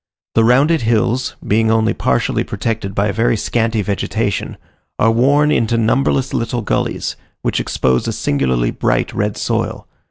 The rounded hills, being only partially protected by a very scanty vegetation, are worn into numberless little gullies, which expose a singularly bright red soil.